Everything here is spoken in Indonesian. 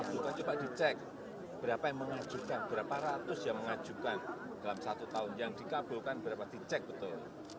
kita coba di cek berapa yang mengajukan berapa ratus yang mengajukan dalam satu tahun yang dikabulkan berapa di cek betul